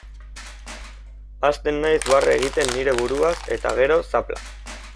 Hasten naiz barre egiten nire buruaz, eta gero, zapla.